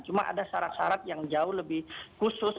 cuma ada syarat syarat yang jauh lebih khusus